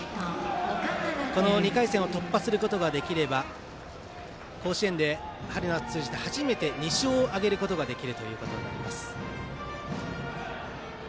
２回戦を突破することができれば甲子園で春夏通じて初めて２勝を挙げることができるということになります。